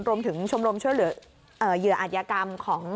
รวมถึงชมรมเชื่อเหลือเหยื่ออาชญากรรมของ